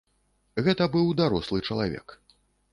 Гэта быў дарослы чалавек.